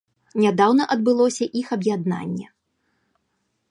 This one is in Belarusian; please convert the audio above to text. Нядаўна адбылося іх аб'яднанне.